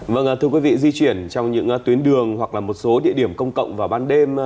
vâng thưa quý vị di chuyển trong những tuyến đường hoặc là một số địa điểm công cộng vào ban đêm